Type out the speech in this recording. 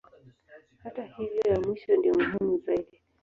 Hata hivyo ya mwisho ndiyo muhimu zaidi.